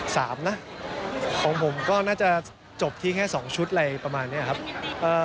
สามนะของผมก็น่าจะจบที่แค่สองชุดอะไรประมาณเนี้ยครับเอ่อ